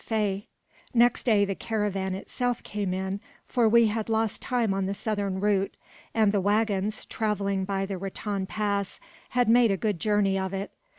Next day the caravan itself came in, for we had lost time on the southern route; and the waggons, travelling by the Raton Pass, had made a good journey of it.